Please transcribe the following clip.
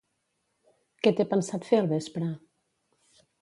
Què té pensat fer al vespre?